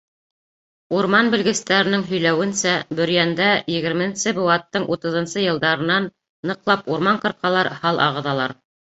Урман белгестәренең һөйләүенсә, Бөрйәндә егерменсе быуаттың утыҙынсы йылдарынан ныҡлап урман ҡырҡалар, һал ағыҙалар.